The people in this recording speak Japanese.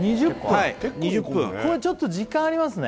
はいこれちょっと時間ありますね